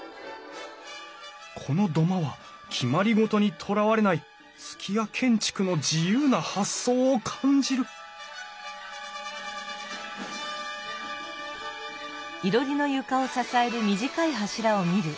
この土間は決まり事にとらわれない数寄屋建築の自由な発想を感じるうん？